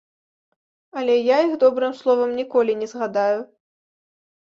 Але я іх добрым словам ніколі не згадаю.